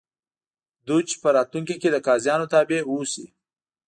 دوج په راتلونکي کې د قاضیانو تابع اوسي.